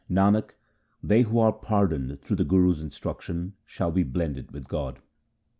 Nanak, they who are pardoned through the Guru's instruction shall be blended with God.